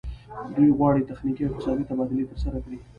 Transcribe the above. دوی غواړي تخنیکي او اقتصادي تبادلې ترسره کړي